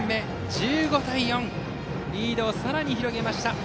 １５対４とリードをさらに広げました。